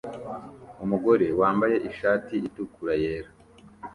Umugore wambaye ishati itukura yera